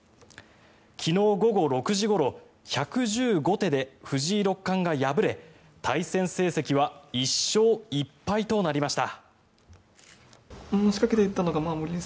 昨日午後６時ごろ１１５手で藤井六冠が敗れ対戦成績は１勝１敗となりました。